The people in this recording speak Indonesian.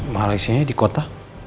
malaysia nya di kota